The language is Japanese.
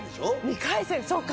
２回戦そうか。